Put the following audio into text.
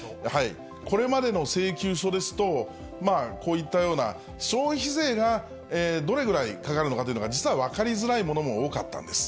これまでの請求書ですと、こういったような消費税がどれくらいかかるのかというのが、実は分かりづらいものも多かったんです。